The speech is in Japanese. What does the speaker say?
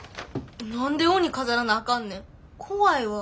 何で鬼飾らなあかんねん。怖いわ。